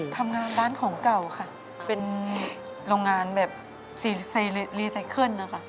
ทำงานร้านของเก่าค่ะเป็นโรงงานแบบรีไซเคิลนะคะ